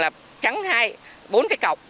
là cắn bốn cái cọc